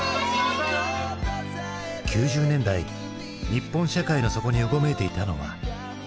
９０年代日本社会の底にうごめいていたのは。